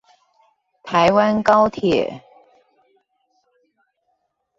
台灣高鐵